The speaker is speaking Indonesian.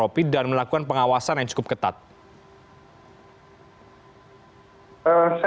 apakah memang ini perlu ya bahwa momentum act ini juga bergantung kepada kemampuan pemerintah